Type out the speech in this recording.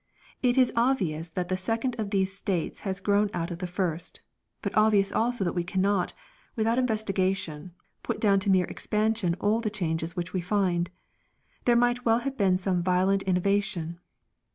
It is obvious that the second of these states has grown out of the first, but obvious also that we cannot, without investigation, put down to mere expansion all the changes which we find ; there might well have been some violent innovation.